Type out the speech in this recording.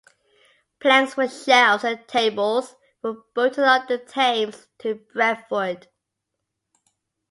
Planks for shelves and tables were boated up the Thames to Brentford.